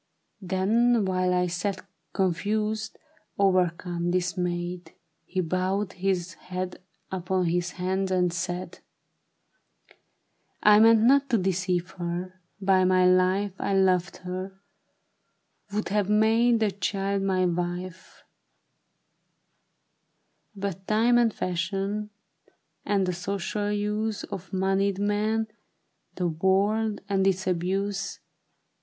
" Then while I sat confused, o'ercome, dismayed, He bowed his head upon his hands, and said, " I meant not to deceive her ; by my life I loved her, would have made the child my wife ; But time and fashion, and the social use Of moneyed men, the world and its abuse.